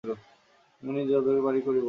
আমি নিজে যতদূর পারি করিব।